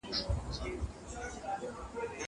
داسې لېمه راکړه چې تاووینم